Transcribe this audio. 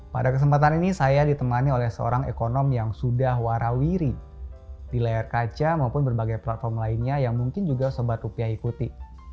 pada kesempatan ini saya ditemani oleh seorang ekonom yang sudah warawiri di layar kaca maupun berbagai platform lainnya yang mungkin juga sobat rupiah ikuti